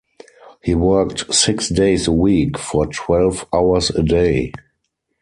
He worked six days a week for twelve hours a day.